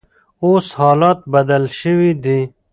اوس حالات بدل شوي دي.